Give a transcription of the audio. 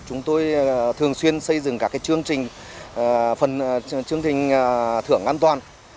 chúng tôi thường xuyên xây dựng các chương trình thưởng an toàn